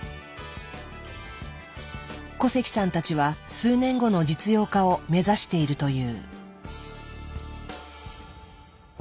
古関さんたちは数年後の実用化を目指しているという。